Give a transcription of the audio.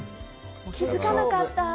気づかなかった。